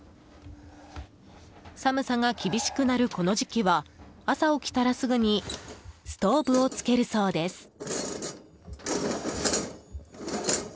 寒さが厳しくなる、この時期は朝起きたらすぐにストーブをつけるそうです。